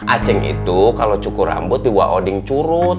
aceng itu kalau cukur rambut di waoding curut